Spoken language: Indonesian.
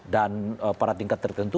dan pada tingkat tertentu